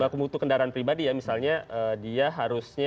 baku mutu kendaraan pribadi ya misalnya dia harusnya